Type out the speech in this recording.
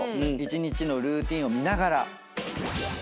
一日のルーティンを見ながら。